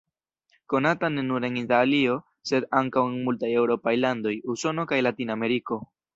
Konata ne nur en Italio sed ankaŭ en multaj eŭropaj landoj, Usono kaj Latinameriko.